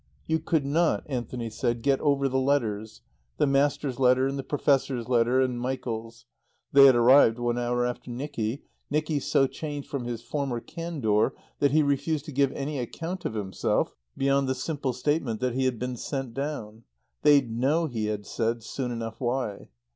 You could not, Anthony said, get over the letters, the Master's letter and the Professor's letter and Michael's. They had arrived one hour after Nicky, Nicky so changed from his former candour that he refused to give any account of himself beyond the simple statement that he had been sent down. They'd know, he had said, soon enough why.